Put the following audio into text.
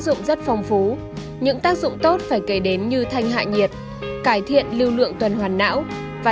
dụng rất phong phú những tác dụng tốt phải kể đến như thanh hạ nhiệt cải thiện lưu lượng tuần hoàn não và